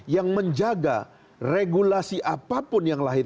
yang menjaga regulasi apapun yang lahir